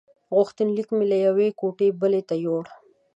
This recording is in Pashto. غوښتنلیک مې له یوې کوټې بلې ته یووړ.